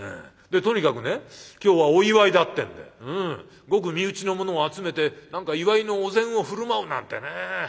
とにかくね今日はお祝いだってんでごく身内の者を集めて何か祝いのお膳を振る舞うなんてね。